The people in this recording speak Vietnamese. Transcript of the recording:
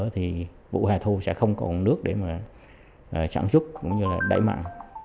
thì vụ hạ thu sẽ không còn nước để mà sản xuất cũng như là đẩy mặn